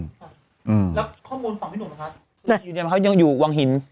แล้วข้อมูลของพี่หนุ่มนะคะเขายังอยู่วังหิน